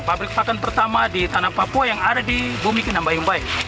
pabrik pakan pertama di tanah papua yang ada di bumi kenambayung baik